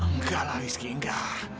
enggak lah rizky enggak